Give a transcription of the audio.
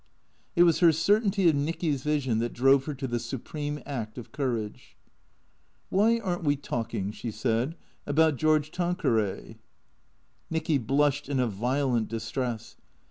It was her certainty of Nicky's vision that drove her to the supreme act of courage. " Why are n't we talking," she said, " about George Tan queray ?" Nicky blushed in a violent distress.